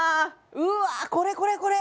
うわこれこれこれ！